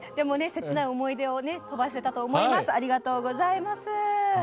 切ない思い出を飛ばせたと思います。